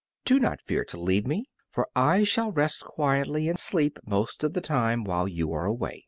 Do not fear to leave me, for I shall rest quietly and sleep most of the time while you are away."